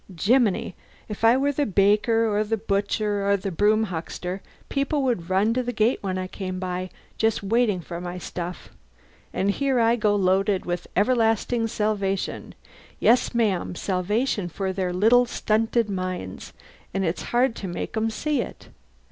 Jiminy! If I were the baker or the butcher or the broom huckster, people would run to the gate when I came by just waiting for my stuff. And here I go loaded with everlasting salvation yes, ma'am, salvation for their little, stunted minds and it's hard to make 'em see it.